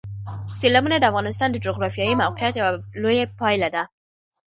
سیلابونه د افغانستان د جغرافیایي موقیعت یوه لویه پایله ده.